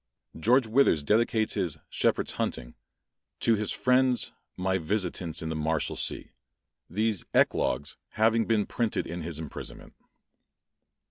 George Withers dedicates his "Shepherds Hunting," "To his friends, my visitants in the Marshalsea:" these "eclogues" having been printed in his imprisonment.